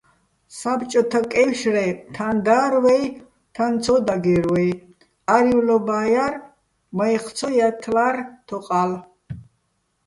საბჭოთაკეჲვშრე თან დარ ვაჲ, თან ცო დაგერ ვაჲ, არი́ვლობა́ ჲარ, მაჲჴი̆ ცო ჲათთლა́რ თოყა́ლ.